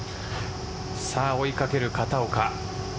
追いかける片岡。